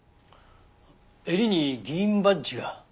襟に議員バッジが。